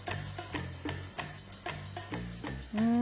うん！